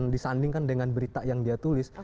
disandingkan dengan berita yang dia tulis